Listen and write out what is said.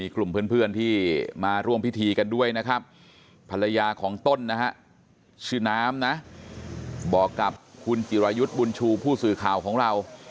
กันด้วยนะครับภรรยาของต้นนะฮะชื่อนามนะบอกกับคุณจิรายุทธ์บุญชูผู้สื่อข่าวของเรา